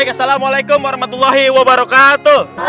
baik assalamualaikum warahmatullahi wabarakatuh